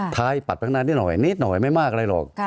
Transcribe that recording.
ท้ายปัดไปข้างหน้านิดหน่อยนิดหน่อยไม่มากอะไรหรอก